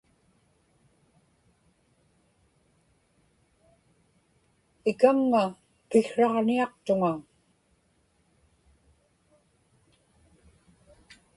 ikaŋŋa piksraġniaqtuŋa